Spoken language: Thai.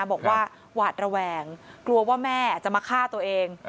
บอกว่าหวาดระแวงกลัวว่าแม่จะมาฆ่าตัวเอง